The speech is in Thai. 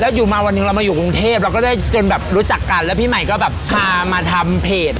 อยู่มาวันหนึ่งเรามาอยู่กรุงเทพเราก็ได้จนแบบรู้จักกันแล้วพี่ใหม่ก็แบบพามาทำเพจ